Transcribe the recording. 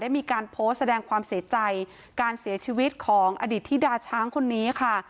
มีการโพสต์แสดงความเสียใจการเสียชีวิตของอดีตธิดาช้างคนนี้ค่ะ